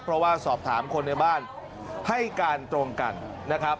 เพราะว่าสอบถามคนในบ้านให้การตรงกันนะครับ